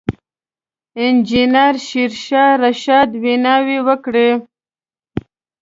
انجنیر شېرشاه رشاد ویناوې وکړې.